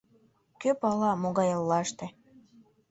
Кӧ пала, могай эллаште